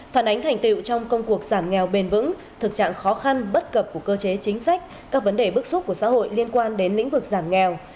phản ánh thành tiệu trong công cuộc giảm nghèo bền vững thực trạng khó khăn bất cập của cơ chế chính sách các vấn đề bức xúc của xã hội liên quan đến lĩnh vực giảm nghèo